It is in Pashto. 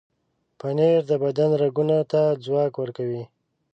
پنېر د بدن رګونو ته ځواک ورکوي.